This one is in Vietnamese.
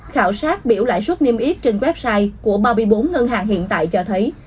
khảo sát biểu lãi suất niêm yết trên website của ba mươi bốn ngân hàng hiện tại cho thấy